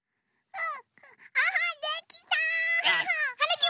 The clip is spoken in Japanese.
うん！